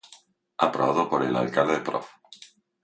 Aprobado por el Alcalde Prof.